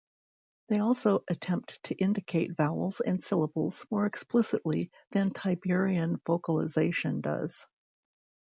They also attempt to indicate vowels and syllables more explicitly than Tiberian vocalization does.